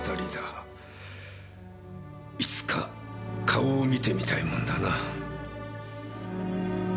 いつか顔を見てみたいもんだな。